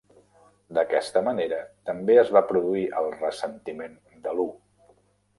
D'aquesta manera també es va produir el ressentiment de Lu.